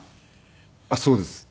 あっそうです。